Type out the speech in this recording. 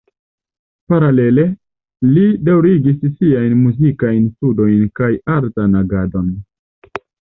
Paralele, li daŭrigis siajn muzikajn studojn kaj artan agadon.